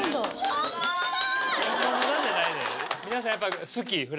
本物だ！